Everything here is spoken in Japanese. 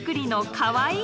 かわいい。